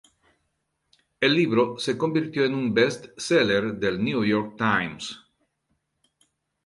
El libro se convirtió en un best seller del "The New York Times".